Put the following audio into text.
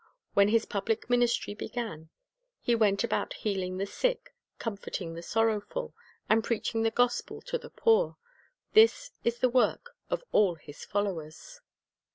When His public ministry began, lie went about healing the sick, comforting the sorrowful, and preaching the gospel to the poor. This is the work of all His followers.